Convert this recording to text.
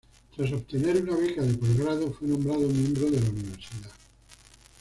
Tras obtener una beca de posgrado, fue nombrado miembro de la Universidad.